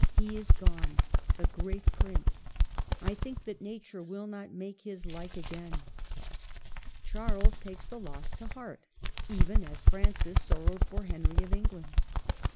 ^* He is gone, the great prince ! I think that Nature will not make his like again." Charles takes the loss to heart, even as Francis sorrowed for Henry of Eng land.